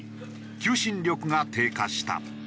求心力が低下した。